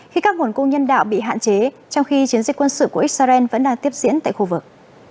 khi các nguồn cung nhân đạo bị hạn chế trong khi chiến dịch quân sự của israel vẫn đang tiếp diễn tại khu vực